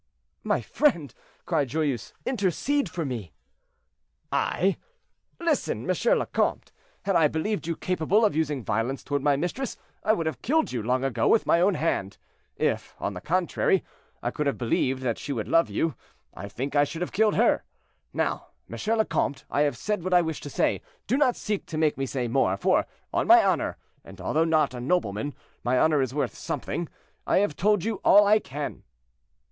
"My friend," cried Joyeuse, "intercede for me." "I! Listen, M. le Comte. Had I believed you capable of using violence toward my mistress, I would have killed you long ago with my own hand. If, on the contrary, I could have believed that she would love you, I think I should have killed her. Now, M. le Comte, I have said what I wished to say; do not seek to make me say more, for, on my honor—and although not a nobleman, my honor is worth something—I have told you all I can."